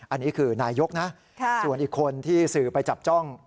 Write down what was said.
อันนี้คือนายกนะส่วนอีกคนที่สื่อไปจับจ้อง